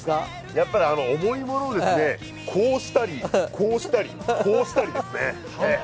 やっぱり重いものをこうしたり、こうしたり、こうしたりですね。